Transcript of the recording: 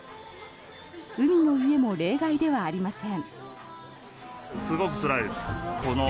海の家も例外ではありません。